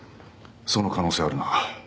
その可能性はあるな。